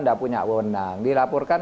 tidak punya undang dilaporkan